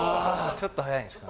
ちょっと早いんちゃう？